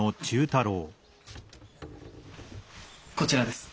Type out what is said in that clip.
こちらです。